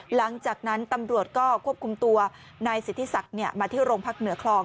หลังจากนั้นตำรวจก็ควบคุมตัวนายสิทธิศักดิ์มาที่โรงพักเหนือคลอง